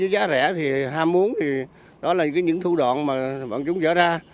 giá rẻ thì ham muốn đó là những thủ đoạn mà bọn chúng dỡ ra